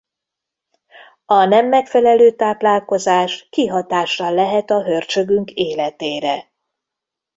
A nem megfelelő táplálkozás kihatással lehet a hörcsögünk életére!